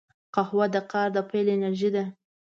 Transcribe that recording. قهوه د کار د پیل انرژي ده